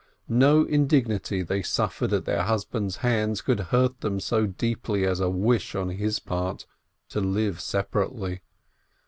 No indignity they suffered at their husbands' hands could hurt them so deeply as a wish on his part to live separately.